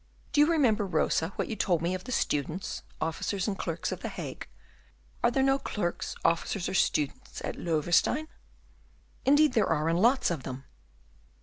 Do you remember Rosa, what you told me of the students, officers, and clerks of the Hague? Are there no clerks, officers, or students at Loewestein?" "Indeed there are, and lots of them."